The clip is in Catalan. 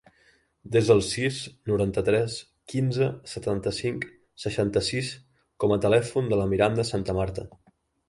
Desa el sis, noranta-tres, quinze, setanta-cinc, seixanta-sis com a telèfon de la Miranda Santamarta.